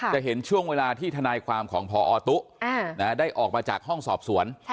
จะเห็นช่วงเวลาที่ทนายความของพอตุ๊ได้ออกมาจากห้องสอบสวน